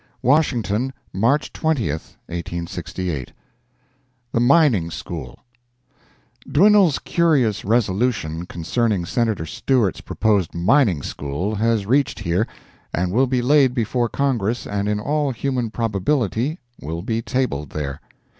WASHINGTON, March 20, 1868 The Mining School Dwinelle's curious resolution concerning Senator Stewart's proposed mining school has reached here—and will be laid before Congress and in all human probability will be tabled there.